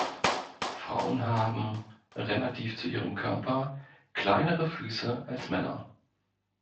Frauen haben relativ zu ihrem Körper kleinere Füße als Männer.